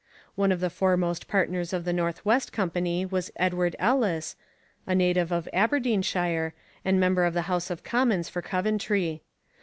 One of the foremost partners of the North West Company was Edward Ellice, a native of Aberdeenshire, and member of the House of Commons for Coventry.